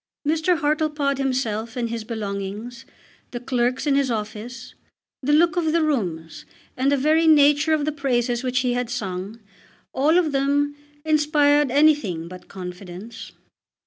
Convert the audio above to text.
Mr. Hartlepod himself and his belongings, the clerks in his office, the look of the rooms, and the very nature of the praises which he had sung, all of them inspired anything but confidence.